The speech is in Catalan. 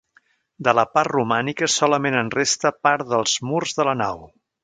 De la part romànica solament en resta part dels murs de la nau.